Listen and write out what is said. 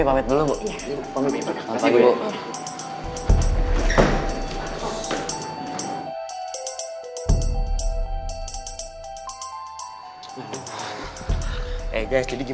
tapi kalau enggak ya terpaksa akan dibatalkan